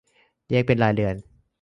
แยกเป็นรายเดือน